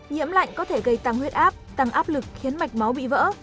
nhiễm lạnh có thể gây tăng huyết áp tăng áp lực khiến mạch máu bị vỡ